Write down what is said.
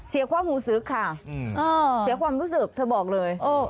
ความหูซึกค่ะเสียความรู้สึกเธอบอกเลย